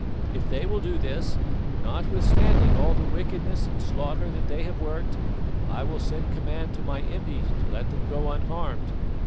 If they will do this, notwithstanding all the wickedness and slaughter that they have worked, I will send command to my impi to let them go unharmed.